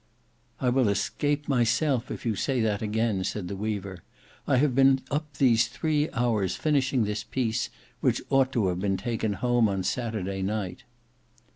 "I will escape myself if you say that again," said the weaver: "I have been up these three hours finishing this piece which ought to have been taken home on Saturday night."